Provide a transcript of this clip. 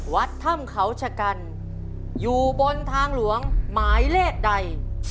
วัดถ้ำเขาชะกันอยู่บนทางหลวงหมายเลขใด